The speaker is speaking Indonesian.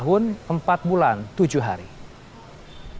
komisi judisial menilai keperluan dan memperkenalkan hakim pemutus perkara partai